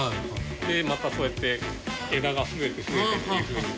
でまたそうやって枝が増えて増えてっていうふうに。